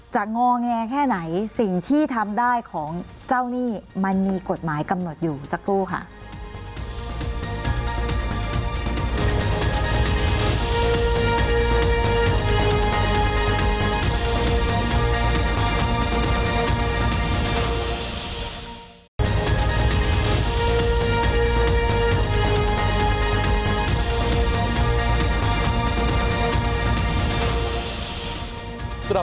งอแงแค่ไหนสิ่งที่ทำได้ของเจ้าหนี้มันมีกฎหมายกำหนดอยู่สักครู่ค่ะ